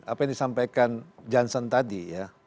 apa yang disampaikan johnson tadi ya